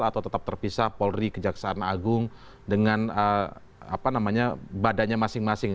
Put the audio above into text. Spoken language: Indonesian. atau tetap terpisah polri kejaksaan agung dengan badannya masing masing